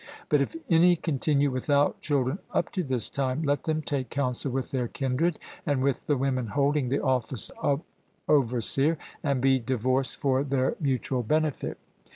But if any continue without children up to this time, let them take counsel with their kindred and with the women holding the office of overseer and be divorced for their mutual benefit.